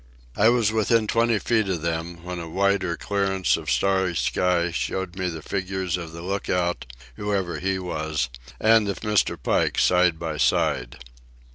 I was within twenty feet of them, when a wider clearance of starry sky showed me the figures of the lookout, whoever he was, and of Mr. Pike, side by side.